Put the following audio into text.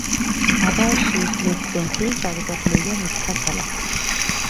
আবার সেই স্লেট-পেনসিল চারুপাঠ লইয়া মিথ্যা খেলা।